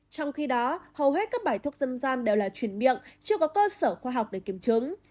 trong khi đó hầu hết các bài thuốc dân gian đều là chuyển miệng chưa có cơ sở khoa học để kiểm chứng